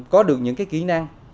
có được những cái kỹ năng